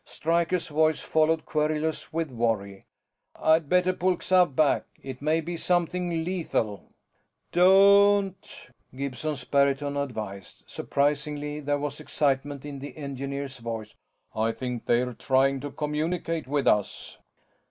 Stryker's voice followed, querulous with worry: "I'd better pull Xav back. It may be something lethal." "Don't," Gibson's baritone advised. Surprisingly, there was excitement in the engineer's voice. "I think they're trying to communicate with us."